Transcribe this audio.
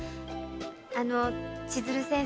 あの千鶴先生。